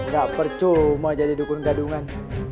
gak percuma jadi dukun gadungan